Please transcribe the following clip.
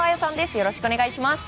よろしくお願いします。